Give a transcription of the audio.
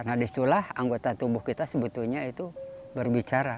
nah disitulah anggota tubuh kita sebetulnya itu berbicara